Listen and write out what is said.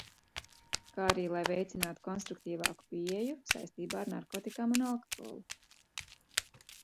Kā arī lai veicinātu konstruktīvāku pieeju saistībā ar narkotikām un alkoholu.